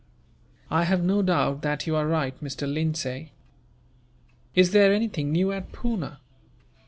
"I have no doubt that you are right, Mr. Lindsay. Is there anything new at Poona?"